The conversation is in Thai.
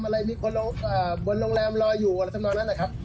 อะไรมีคนบนโรงแรมรออยู่อะไรทำนองนั้นนะครับ